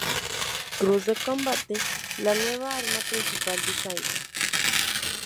Cruz de Combate: La nueva arma principal de Simon.